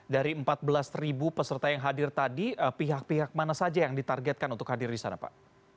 dari empat belas peserta yang hadir tadi pihak pihak mana saja yang ditargetkan untuk hadir di sana pak